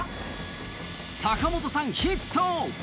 高本さんヒット！